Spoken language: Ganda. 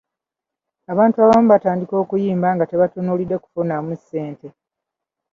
Abantu abamu batandika okuyimba nga tebatunuulidde kufunamu ssente.